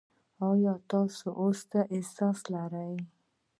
تاسو اوس څه احساس لرئ؟